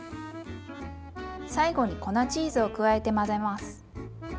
最後に粉チーズを加えて混ぜます。